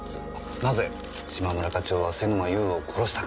なぜ嶋村課長は瀬沼優を殺したか。